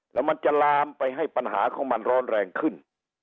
แล้วมันจะลามไปให้ปัญหาของมันร้อนแรงขึ้น